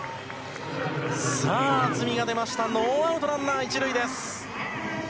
さあ、渥美が出ました、ノーアウトランナー１塁です。